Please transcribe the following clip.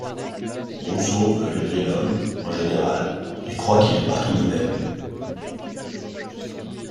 Rousseau veut élever l'homme, en général, et croit qu'il est partout le même.